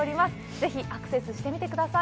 ぜひアクセスしてみてください。